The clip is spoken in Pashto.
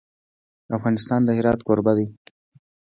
افغانستان د هرات کوربه دی.